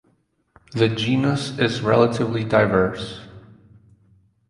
The genus is relatively diverse.